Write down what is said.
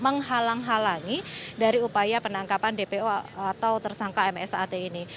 menghalang halangi dari upaya penangkapan dpo atau tersangka msat ini